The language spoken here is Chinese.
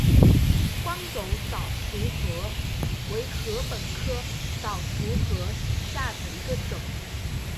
光轴早熟禾为禾本科早熟禾属下的一个种。